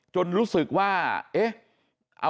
จนรู้สึกว่าเอ๊ะ